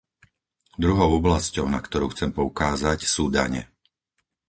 Druhou oblasťou, na ktorú chcem poukázať, sú dane.